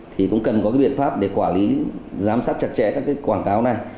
thì cũng cần có cái biện pháp để quản lý giám sát chặt chẽ các quảng cáo này